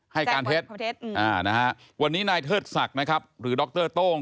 ให้การเท็จวันนี้นายเทิดศักดิ์นะครับหรือดรโต้ง